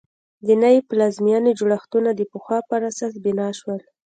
د نوې پلازمېنې جوړښتونه د پخوا پر اساس بنا شول.